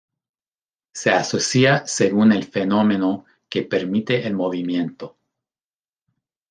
Se asocia según el fenómeno que permite el movimiento.